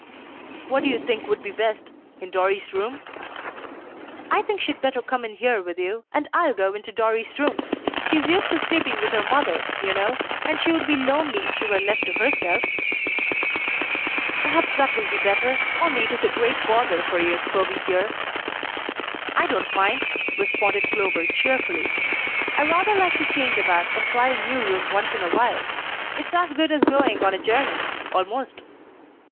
"What do you think would be best? In Dorry's room?" "I think she'd better come in here with you, and I'll go into Dorry's room. She is used to sleeping with her mother, you know, and she would be lonely if she were left to herself." "Perhaps that will be better, only it is a great bother for you, Clovy dear." "I don't mind," responded Clover, cheerfully. "I rather like to change about and try a new room once in a while. It's as good as going on a journey almost."